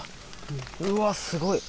うわっ、すごい。